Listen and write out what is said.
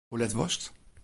Hoe let wolst?